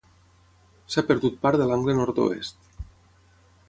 S'ha perdut part de l'angle nord-oest.